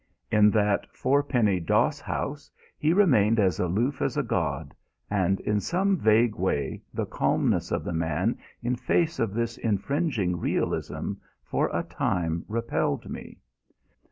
In that fourpenny doss house he remained as aloof as a god, and in some vague way the calmness of the man in face of this infringing realism for a time repelled me.